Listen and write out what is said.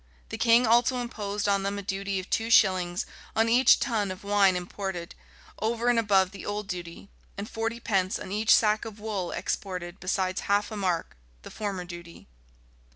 The king also imposed on them a duty of two shillings on each tun of wine imported, over and above the old duty; and forty pence on each sack of wool exported besides half a mark, the former duty.